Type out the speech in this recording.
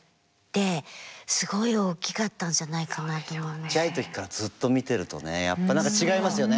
ちっちゃい時からずっと見てるとねやっぱ何か違いますよね。